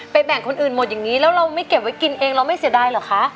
แบ่งคนอื่นหมดอย่างนี้แล้วเราไม่เก็บไว้กินเองเราไม่เสียดายเหรอคะ